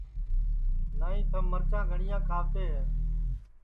نائی تھم مَرچا گھٹیا کھاوتے ہے